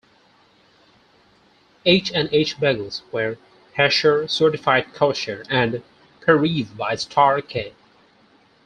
H and H Bagels were Hechsher-certified Kosher and Pareve by Star-K.